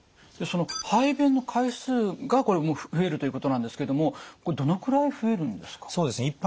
その排便の回数がこれ増えるということなんですけどもこれどのくらい増えるんですか？